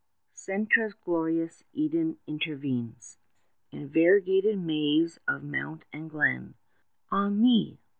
Cintra's glorious Eden intervenes In variegated maze of mount and glen. Ah me!